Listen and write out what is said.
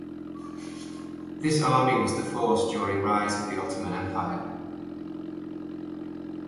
This army was the force during rise of the Ottoman Empire.